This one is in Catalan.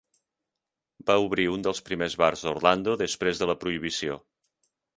Va obrir un dels primers bars d'Orlando després de la Prohibició.